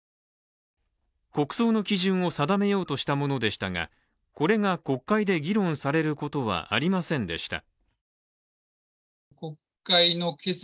国葬の基準を定めようとしたものでしたがこれが国会で議論されることはありませんでした。